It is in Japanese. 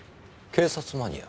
警察マニア？